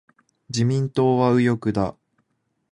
自民党は右翼だ。